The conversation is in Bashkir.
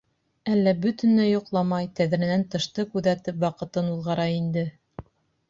Әллә бөтөнләй йоҡламай, тәҙрәнән тышты күҙәтеп ваҡытын уҙғара инде?